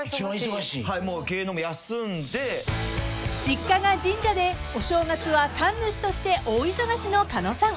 ［実家が神社でお正月は神主として大忙しの狩野さん］